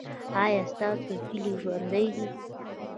ایا ستاسو هیلې ژوندۍ دي؟